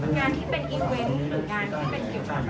งานที่เป็นอีเวนต์หรืองานที่เป็นเกี่ยวกับ